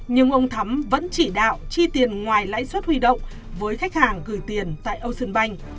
nhưng ông thắm vẫn chỉ đạo chi tiền ngoài lãi suất huy động với khách hàng gửi tiền tại ocean bank